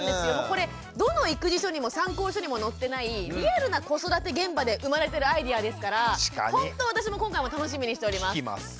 これどの育児書にも参考書にも載ってないリアルな子育て現場で生まれてるアイデアですからほんと私も今回も楽しみにしております。